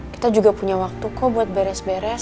kita juga punya waktu kok buat beres beres